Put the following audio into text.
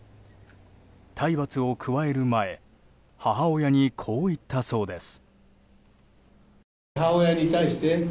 体罰を加える前母親にこう言ったそうです。